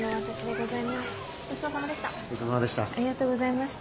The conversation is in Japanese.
ごちそうさまでした。